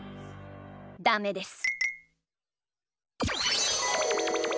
ダメです。